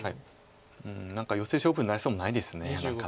何かヨセ勝負になりそうもないです何か。